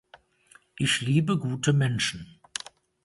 Ich liebe gute Menschen.